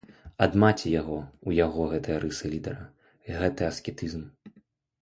Ад маці яго ў яго гэтыя рысы лідэра, гэты аскетызм.